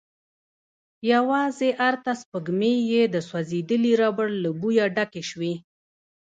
يواځې ارته سپږمې يې د سوځيدلې ربړ له بويه ډکې شوې.